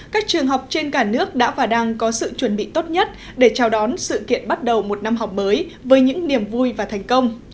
các trường học trên cả nước đã và đang có sự chuẩn bị tốt nhất để chào đón sự kiện bắt đầu một năm học mới với những niềm vui và thành công